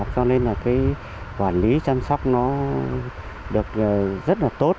cho nên là cái quản lý chăm sóc nó được rất là tốt